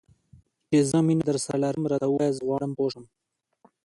چې زه مینه درسره لرم؟ راته ووایه، زه غواړم پوه شم.